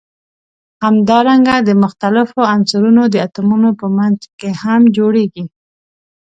همدارنګه د مختلفو عنصرونو د اتومونو په منځ کې هم جوړیږي.